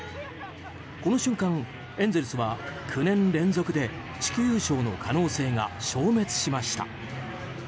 この瞬間、エンゼルスは９年連続で地区優勝の可能性が消滅しました。